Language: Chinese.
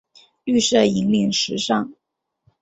绿色引领时尚。